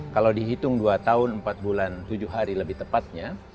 kalau dihitung dua tahun empat bulan tujuh hari lebih tepatnya